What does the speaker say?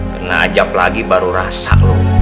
kena azab lagi baru rasa lu